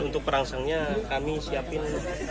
untuk perangsangnya kami siapkan ragi tape pupuk urea serta dedak